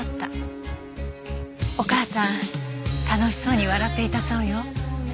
お母さん楽しそうに笑っていたそうよ。